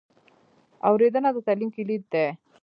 اورېدنه د تعلیم کلید دی.